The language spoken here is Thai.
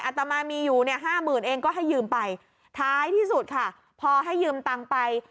ตมามีอยู่เนี่ยห้าหมื่นเองก็ให้ยืมไปท้ายที่สุดค่ะพอให้ยืมตังค์ไป